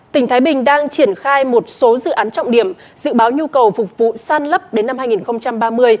tỉnh thái bình đang triển khai một số dự án trọng điểm dự báo nhu cầu phục vụ san lấp đến năm hai nghìn ba mươi